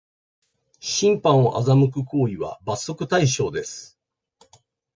審判を欺く行為は罰則対象です